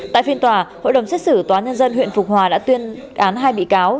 tại phiên tòa hội đồng xét xử tòa nhân dân huyện phục hòa đã tuyên án hai bị cáo